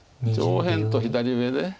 上辺と左上で。